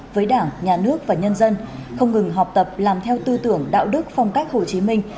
với đảng nhà nước và nhân dân không ngừng học tập làm theo tư tưởng đạo đức phong cách hồ chí minh